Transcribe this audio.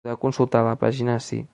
Podeu consultar la pàgina ací.